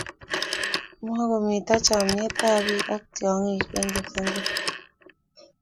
Mukumito chomyietab biik ak tyong'ik eng' kipsengwet